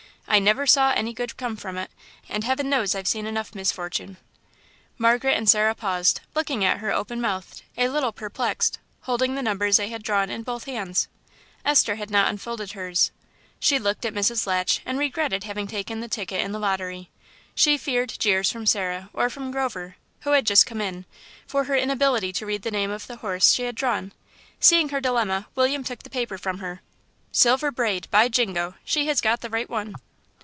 I never saw any good come from it, and Heaven knows I've seen enough misfortune." Margaret and Sarah paused, looking at her open mouthed, a little perplexed, holding the numbers they had drawn in both hands. Esther had not unfolded hers. She looked at Mrs. Latch and regretted having taken the ticket in the lottery. She feared jeers from Sarah, or from Grover, who had just come in, for her inability to read the name of the horse she had drawn. Seeing her dilemma, William took her paper from her. "Silver Braid.... by Jingo! She has got the right one."